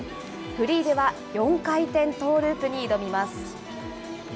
フリーでは４回転トーループに挑みます。